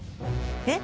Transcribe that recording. えっ？